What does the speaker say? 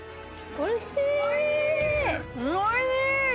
おいしい！